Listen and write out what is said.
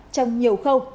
trong nhiều khâu